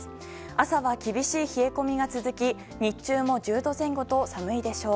朝は厳しい冷え込みが続き日中も１０度前後と寒いでしょう。